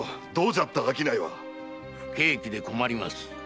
不景気で困ります。